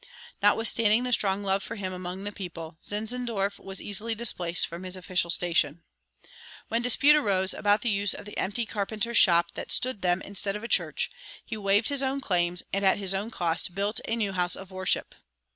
Notwithstanding the strong love for him among the people, Zinzendorf was easily displaced from his official station. When dispute arose about the use of the empty carpenter's shop that stood them instead of a church, he waived his own claims and at his own cost built a new house of worship.